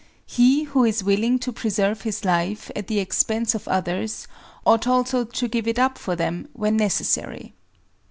He who is willing to preserve his life at the expense of others ought also to give it up for them when necessary.